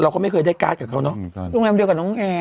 เขาก็ไม่เคยได้การ์ดกับเขาเนอะการโรงแรมเดียวกับน้องแอร์